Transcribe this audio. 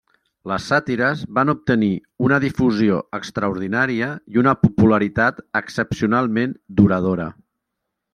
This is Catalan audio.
Les sàtires van obtenir una difusió extraordinària i una popularitat excepcionalment duradora.